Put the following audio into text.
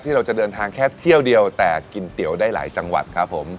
เราจะเดินทางแค่เที่ยวเดียวแต่กินเตี๋ยวได้หลายจังหวัดครับผม